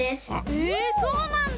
えそうなんだ。